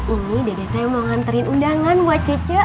ini dedetnya mau nganterin undangan buat cece